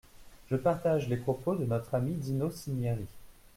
Je partage les propos de notre ami Dino Cinieri.